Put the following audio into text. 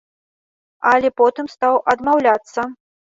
Але потым стаў адмаўляцца.